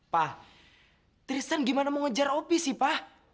pak tristan gimana mau ngejar opi sih pak